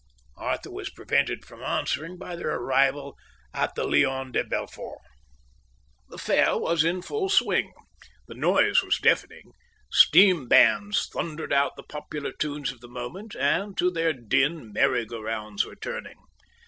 Arthur was prevented from answering by their arrival at the Lion de Belfort. The fair was in full swing. The noise was deafening. Steam bands thundered out the popular tunes of the moment, and to their din merry go rounds were turning.